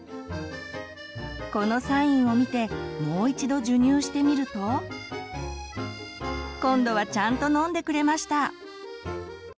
このサインを見てもう一度授乳してみると今度はちゃんと飲んでくれました！